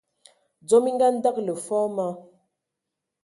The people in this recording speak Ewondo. Dzom e andǝgələ fɔɔ ma,